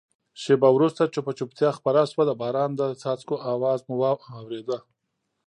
شېبه وروسته چوپه چوپتیا خپره شوه، د باران د څاڅکو آواز مو اورېده.